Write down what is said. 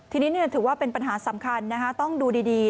ทีนี้ถือว่าเป็นปัญหาสำคัญต้องดูดี